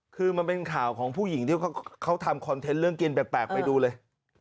คือมันเป็นข่าวของผู้หญิงที่เขาทำคอนเทนต์เรื่องกินแปลกไปดูเลย